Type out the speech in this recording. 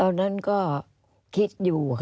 อันดับ๖๓๕จัดใช้วิจิตร